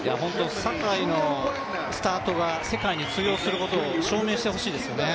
坂井のスタートが世界に通用することを証明してほしいですよね。